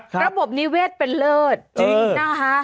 ระบบนี้เวทย์เป็นเลิศจริงนะฮะ